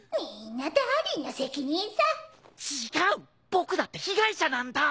僕だって被害者なんだ！